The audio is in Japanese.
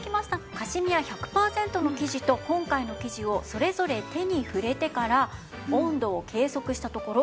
カシミヤ１００パーセントの生地と今回の生地をそれぞれ手に触れてから温度を計測したところ